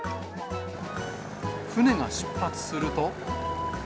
船が出発すると。